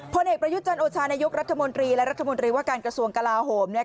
ผลเอกประยุทธ์จันโอชานายกรัฐมนตรีและรัฐมนตรีว่าการกระทรวงกลาโหม